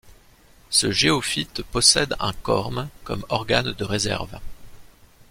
Ce géophyte possède un corme comme organe de réserve.